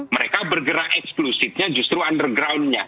mereka bergerak eksklusifnya justru underground nya